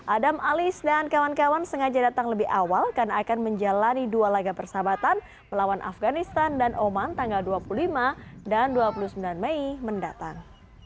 adam alis dan kawan kawan sengaja datang lebih awal karena akan menjalani dua laga persahabatan melawan afganistan dan oman tanggal dua puluh lima dan dua puluh sembilan mei mendatang